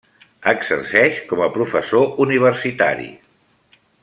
Exerceix com a professor universitari.